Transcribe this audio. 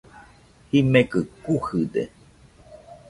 Jimekɨ kujɨde.